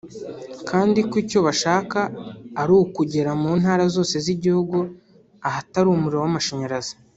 kandi ko icyo bashaka ari ukugera mu ntara zose z’igihugu ahatari umuriro w’amashanyarazi